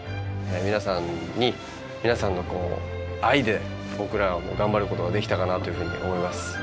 皆さんに皆さんの愛で僕らは頑張ることができたかなというふうに思います。